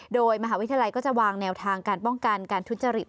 โดยมหาวิทยาลัยก็จะวางแนวทางการป้องกันการทุจริต